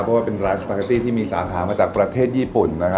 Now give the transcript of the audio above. เพราะว่าเป็นร้านสปาเกตตี้ที่มีสาขามาจากประเทศญี่ปุ่น